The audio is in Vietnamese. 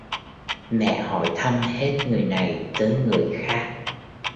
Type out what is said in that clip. Mẹ hỏi thăm hết người này tới người khác